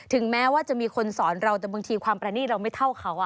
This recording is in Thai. แม้ว่าจะมีคนสอนเราแต่บางทีความประณีตเราไม่เท่าเขา